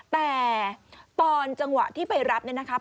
แต่ตอนจังหวะที่ไปรับเนี่ยนะครับ